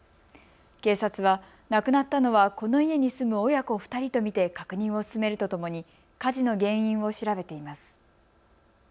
警察は亡くなったのはこの家に住む親子２人と見て確認を進めるとともに火事の原因を調べています。